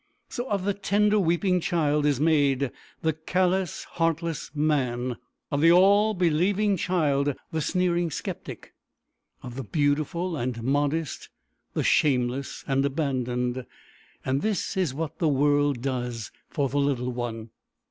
So of the tender, weeping child is made the callous, heartless man; of the all believing child, the sneering skeptic; of the beautiful and modest, the shameless and abandoned; and this is what the world does for the little one.